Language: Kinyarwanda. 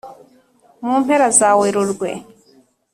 mu mpera za Werurwe,